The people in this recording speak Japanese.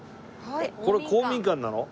これ公民館なの？